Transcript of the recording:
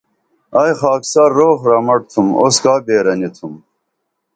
ائی خاکسار روخ رمٹ تُھم اوسکا بیرہ نی تُھم